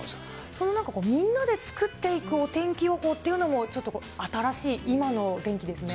そのみんなで作っていくお天気予報っていうのも、ちょっとこう、新しい、今のお天気ですね。